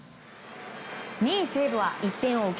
２位、西武は１点を追う